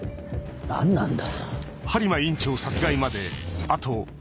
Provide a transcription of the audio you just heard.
何なんだ？